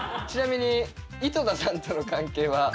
ちなみに井戸田さんとの関係は？